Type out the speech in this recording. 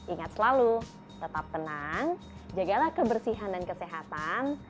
ingat selalu tetap tenang jagalah kebersihan dan kesehatan